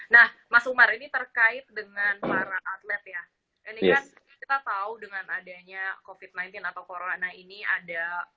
nah mas umar terkait dengan para atlet ya ini kan tau dengan ada nya covid idin atau karunning ada